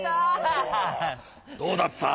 どうだった？